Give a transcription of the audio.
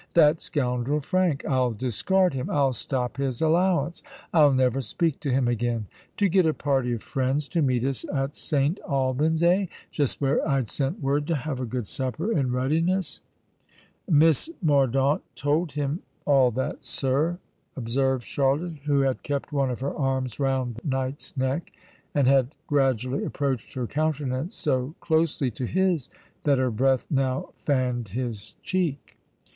"That scoundrel Frank—I'll discard him—I'll stop his allowance—I'll never speak to him again! To get a party of friends to meet us at St. Alban's—eh? Just where I'd sent word to have a good supper in readiness!" "Miss Mordaunt told him all that, sir," observed Charlotte, who had kept one of her arms round the knight's neck, and had gradually approached her countenance so closely to his that her breath now fanned his cheek.